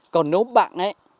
còn nếu bạn ấy